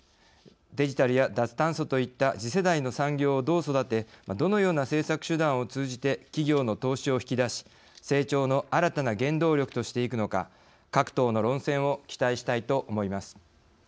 デジタルや脱炭素といった次世代の産業をどう育てどのような政策手段を通じて企業の投資を引き出し成長の新たな原動力としていくのか各党の論戦を期待したいと思います。